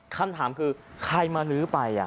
คำถามคือใครมาลื้อไป